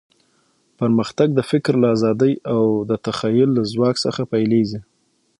پرمختګ د فکر له ازادۍ او د تخیل له ځواک څخه پیلېږي.